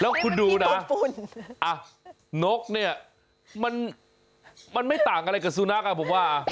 แล้วคุณดูนะนกเนี่ยมันเหมือนไม่ต่างอะไรกับสูนักพูดว่า